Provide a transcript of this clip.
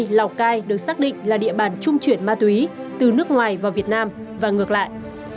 hôm nay lào cai được xác định là địa bàn chung chuyển ma túy từ nước ngoài vào việt nam và ngược lại